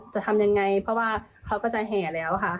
จะทำยังไงเพราะว่าเขาก็จะแห่แล้วค่ะ